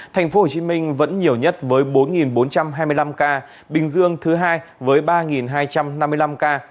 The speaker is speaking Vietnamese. thành phố hồ chí minh vẫn nhiều nhất với bốn bốn trăm hai mươi năm ca bình dương thứ hai với ba hai trăm năm mươi năm ca